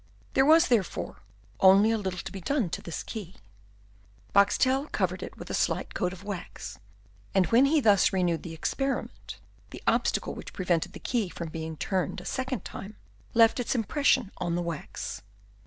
There was, therefore, only a little to be done to this key. Boxtel covered it with a slight coat of wax, and when he thus renewed the experiment, the obstacle which prevented the key from being turned a second time left its impression on the wax.